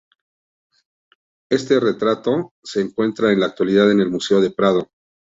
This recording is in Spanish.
Este retrato se encuentra en la actualidad en el Museo del Prado.